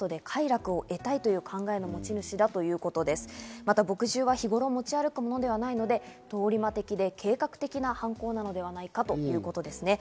また墨汁は日頃持ち歩くものではないので、通り魔的で計画的な犯行ではないかということです。